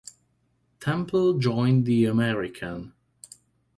Temple joined The American.